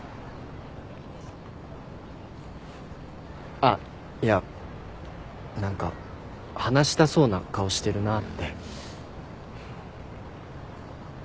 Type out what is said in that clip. あっいや何か話したそうな顔してるなって。